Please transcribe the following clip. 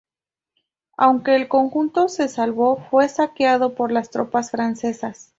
Aunque el conjunto se salvó fue saqueado por las tropas francesas.